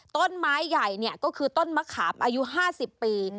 ต้นไม้ใหญ่ก็คือต้นมะขามอายุ๕๐ปี